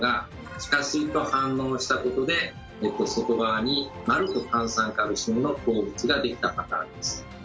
地下水と反応したことで外側に丸く炭酸カルシウムの鉱物ができたパターンです。